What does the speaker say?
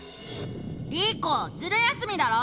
「リコズル休みだろ！